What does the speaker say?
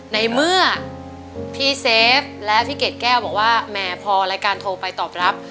ในเมื่อพี่เซฟและพี่เกดแก้วบอกว่าแหมพอรายการโทรไปตอบรับ